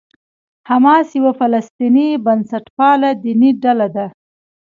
حماس یوه فلسطیني بنسټپاله دیني ډله ده.